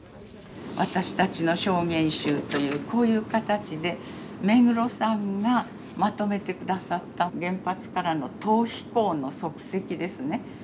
「わたしたちの証言集」というこういう形で目黒さんがまとめて下さった原発からの逃避行の足跡ですね。